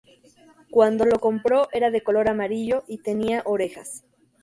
Cuando lo compró era de color amarillo y tenía orejas.